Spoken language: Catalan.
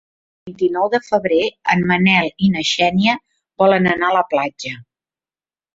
El vint-i-nou de febrer en Manel i na Xènia volen anar a la platja.